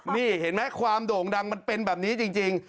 นี่เห็นไหมความโด่งดังมันเป็นแบบนี้จริง